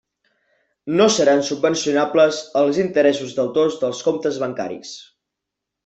No seran subvencionables els interessos deutors dels comptes bancaris.